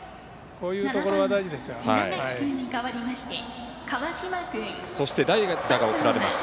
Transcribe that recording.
こういうところが大事ですよ。